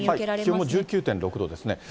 気温も１９．６度ですね。